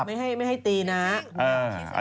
ไม่ให้ตีน้า